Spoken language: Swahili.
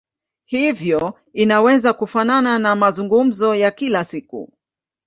Hivyo inaweza kufanana na mazungumzo ya kila siku.